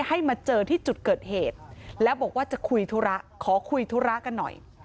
ให้มาเจอที่จุดเกิดเหตุแล้วบอกว่าจะคุยธุระขอคุยธุระกันหน่อย